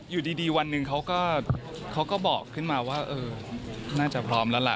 อยู่ดีวันหนึ่งเขาก็บอกขึ้นมาว่าเออน่าจะพร้อมแล้วล่ะ